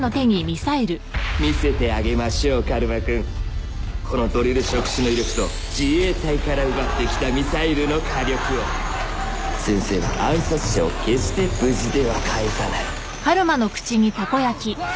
見せてあげましょうカルマ君このドリル触手の威力と自衛隊から奪ってきたミサイルの火力を先生は暗殺者を決して無事では帰さない熱い！